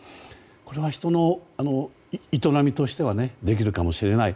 これは人の営みとしてはできるかもしれない。